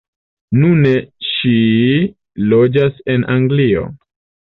Nune ŝi loĝas en Anglio.